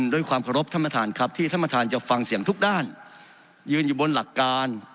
โดยความเคารพท่านมาทานครับที่ท่านมาทานจะฟังเสียงทุกด้านยืนอยู่บนหลักการ